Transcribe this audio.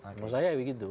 menurut saya ya begitu